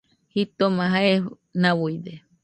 Jitoma jae nauide